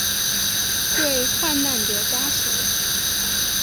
对罹难者家属